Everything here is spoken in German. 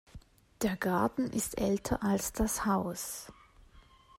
Der Garten ist älter als das Haus.